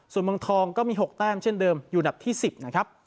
ส่วนเมืองทองก็มี๖แต้มเช่นเดิมอยู่อันดับที่๑๐นะครับ